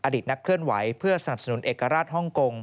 ตนักเคลื่อนไหวเพื่อสนับสนุนเอกราชฮ่องกง